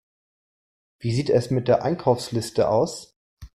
Wie sieht es mit der Einkaufsliste aus?